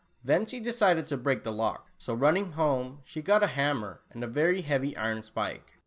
Then she decided to break the lock, so running home, she got a hammer, and a very heavy iron spike.